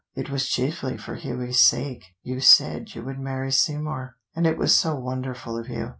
It was chiefly for Hughie's sake you said you would marry Seymour, and it was so wonderful of you.